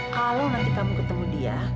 kalau nanti kamu ketemu dia